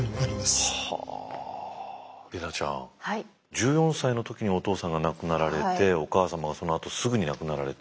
１４歳の時にお父さんが亡くなられてお母様がそのあとすぐに亡くなられて。